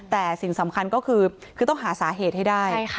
แต่สิ่งสำคัญก็คือต้องหาสาเหตุให้ได้